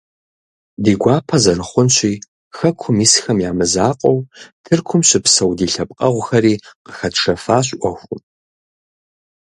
Ди гуапэ зэрыхъунщи, хэкум исхэм я мызакъуэу, Тыркум щыпсэу ди лъэпкъэгъухэри къыхэтшэфащ ӏуэхум.